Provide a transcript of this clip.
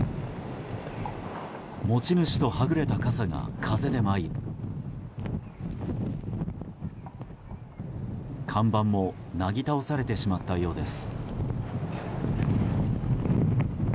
持ち主とはぐれた傘が風で舞い看板もなぎ倒されてしまったようです。